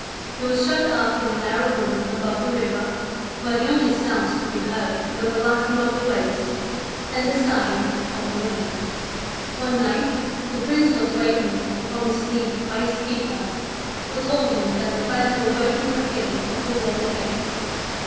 He was shut up in a narrow room above the river, where the only sounds to be heard were the lapping of the waves and the sighing of the wind. KING JOHN AND PRINCE ARTHUR 1 17 One night the prince was wakened from his sleep by his keeper, who told him that friends were wait ing for him at the water gate.